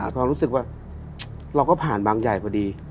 ความรู้สึกว่าเราก็ผ่านบางใหญ่พอดี